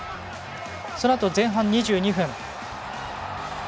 そのあと前半２２分。